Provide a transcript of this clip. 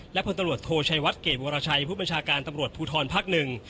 และพลตำรวจโทชัยวัดเกรดวรชัยผู้บัญชาการตำรวจภูทรภักดิ์หนึ่ง